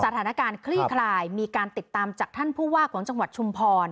คลี่คลายมีการติดตามจากท่านผู้ว่าของจังหวัดชุมพร